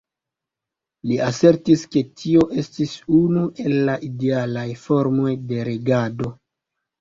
Li asertis, ke tio estis unu el la idealaj formoj de regado.